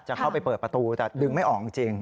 จะเข้าไปเปิดประตูแต่ดึงไม่ออกจริง